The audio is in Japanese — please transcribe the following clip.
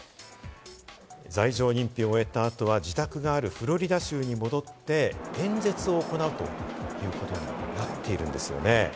罪状認否を終えたあとは自宅があるフロリダ州に戻って演説を行うといういうことになっているんですよね。